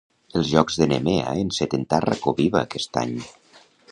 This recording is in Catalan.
Els Jocs de Nemea enceten Tàrraco Viva aquest any.